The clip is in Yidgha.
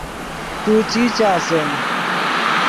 تو چی چاسے